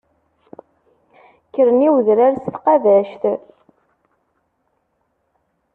Kkren i wedrar s tqabact.